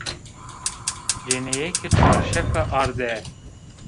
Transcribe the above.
Cinîke çarşefe arde